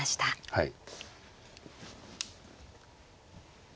はい。